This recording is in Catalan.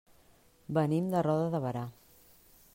Venim de Roda de Berà.